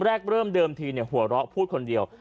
เริ่มเดิมทีหัวเราะพูดคนเดียว